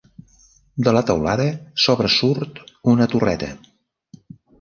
De la teulada sobresurt una torreta.